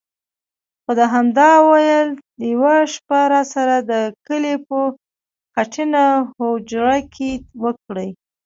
خو ده همدا ویل: یوه شپه راسره د کلي په خټینه هوجره کې وکړئ.